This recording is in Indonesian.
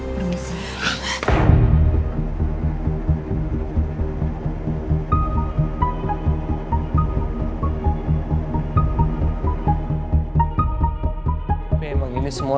aku selalu menyatakan dirimu